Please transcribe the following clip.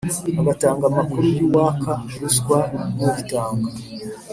agatanga amakuru y'uwaka ruswa n'uyitanga.